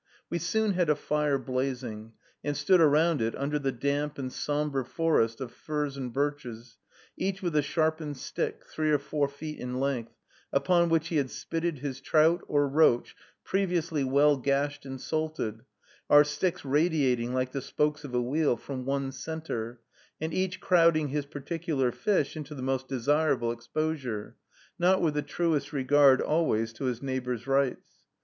We soon had a fire blazing, and stood around it, under the damp and sombre forest of firs and birches, each with a sharpened stick, three or four feet in length, upon which he had spitted his trout, or roach, previously well gashed and salted, our sticks radiating like the spokes of a wheel from one centre, and each crowding his particular fish into the most desirable exposure, not with the truest regard always to his neighbor's rights.